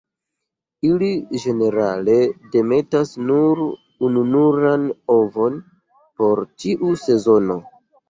Ili ĝenerale demetas nur ununuran ovon por ĉiu sezono.